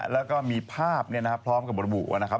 แล้วก็มีภาพพร้อมกับระบุว่านะครับ